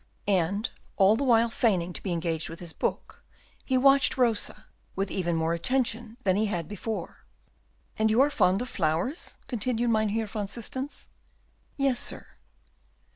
And, all the while feigning to be engaged with his book, he watched Rosa with even more attention than he had before. "And you are fond of flowers?" continued Mynheer van Systens. "Yes, sir."